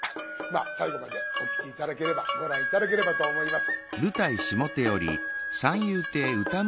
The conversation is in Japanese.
最後までお聴き頂ければご覧頂ければと思います。